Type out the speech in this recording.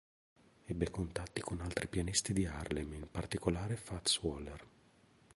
Ebbe contatti con altri pianisti di Harlem, in particolare Fats Waller.